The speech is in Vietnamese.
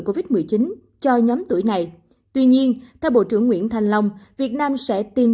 covid một mươi chín cho nhóm tuổi này tuy nhiên theo bộ trưởng nguyễn thành long việt nam sẽ tìm